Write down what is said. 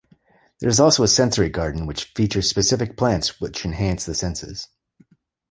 There is also a sensory garden which features specific plants which enhance the senses.